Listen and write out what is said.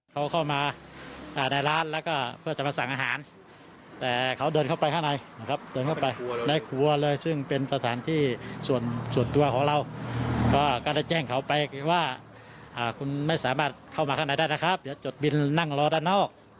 คุณไม่สามารถเข้ามาข้างในได้นะครับเดี๋ยวจดบิลนั่งรอด้านนอก